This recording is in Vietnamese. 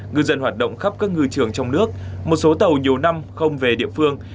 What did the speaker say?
ngư dân hoạt động khắp các ngư trường trong nước một số tàu nhiều năm không về địa phương